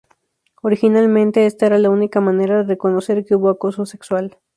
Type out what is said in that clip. Originalmente esta era la única manera de reconocer que hubo acoso sexual.